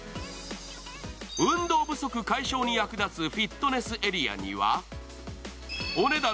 運動不足解消に役立つフィットネスエリアにはお値段